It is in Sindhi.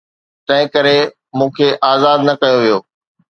تنهنڪري مون کي آزاد نه ڪيو ويو.